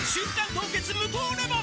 凍結無糖レモン」